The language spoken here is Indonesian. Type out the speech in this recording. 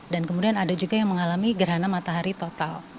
dan kemudian ada juga yang mengalami gerhana matahari total